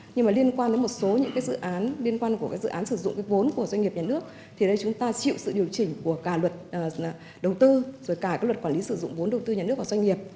nhưng liên quan đến một số dự án sử dụng vốn của doanh nghiệp nhà nước chúng ta chịu sự điều chỉnh của cả luật đầu tư cả luật quản lý sử dụng vốn đầu tư nhà nước và doanh nghiệp